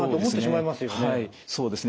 そうですね。